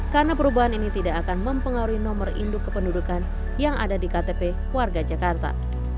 karena perubahan ini tidak akan mempengaruhi nomor induk kependudukan yang ada di ktp warga jakarta